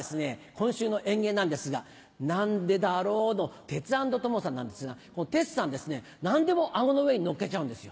今週の演芸なんですが「何でだろう」のテツａｎｄトモさんなんですがテツさんはですね何でも顎の上にのっけちゃうんですよ。